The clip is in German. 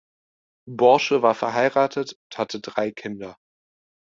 Borsche war verheiratet und hatte drei Kinder.